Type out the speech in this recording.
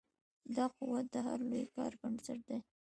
دا قوت د هر لوی کار بنسټ دی.